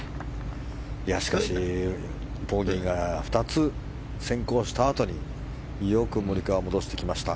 しかし、ボギーが２つ先行したあとにモリカワ、よく戻してきました。